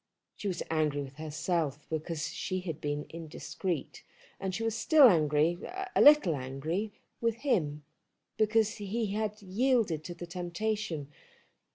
She was angry with herself because she had been indiscreet, and she was still angry, a little angry with him, because he had yielded to the temptation.